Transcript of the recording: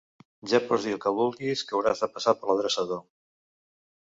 Ja pots dir el que vulguis, que hauràs de passar per l'adreçador.